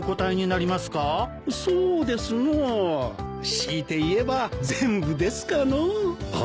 強いて言えば全部ですかのお。